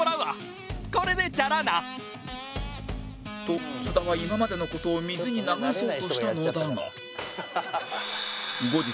と津田は今までの事を水に流そうとしたのだが